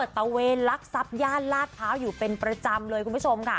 ตะเวนลักทรัพย่านลาดพร้าวอยู่เป็นประจำเลยคุณผู้ชมค่ะ